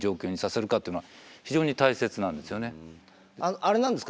あれなんですか？